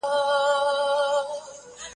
يوسف عليه السلام د وروڼو پر ظلمونو صبر وکړ.